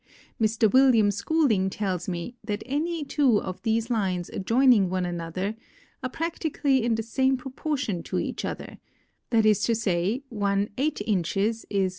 Mr. William Schooling tells me that any two of these lines adjoining one another are practically in the same proportion to each other; that is to say, one 8 inches is 1.